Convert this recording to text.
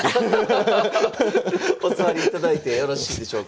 お座りいただいてよろしいでしょうか。